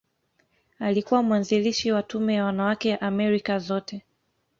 Alikuwa mwanzilishi wa Tume ya Wanawake ya Amerika Zote.